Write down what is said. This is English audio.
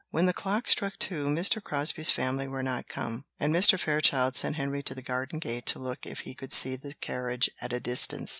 When the clock struck two, Mr. Crosbie's family were not come, and Mr. Fairchild sent Henry to the garden gate to look if he could see the carriage at a distance.